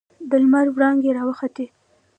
د لمر وړانګې راوخوتې.